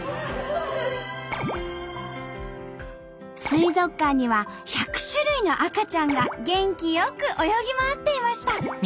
水族館には１００種類の赤ちゃんが元気よく泳ぎ回っていました。